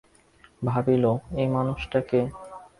ভাবিল, এ মানুষটা কে!